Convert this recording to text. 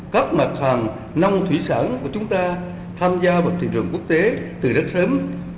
các mặt hàng nông thủy sản của chúng ta tham gia vào thị trường quốc tế từ rất sớm